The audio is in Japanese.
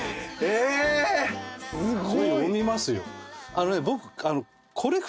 あのね僕。